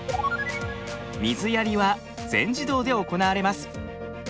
水やりは全自動で行われます。